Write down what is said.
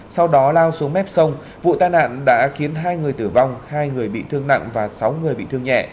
sau đó lao xuống mép sông vụ tai nạn đã khiến hai người tử vong hai người bị thương nặng và sáu người bị thương nhẹ